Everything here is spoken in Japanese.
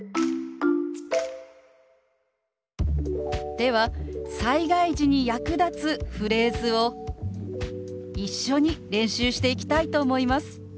では災害時に役立つフレーズを一緒に練習していきたいと思います。